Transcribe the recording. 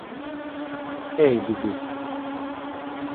ei, bibi!